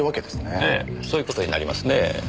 ええそういう事になりますね。